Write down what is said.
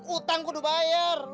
utang kudu bayar